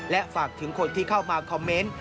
และฝากถึงคนที่เข้ามาคอมเมนต์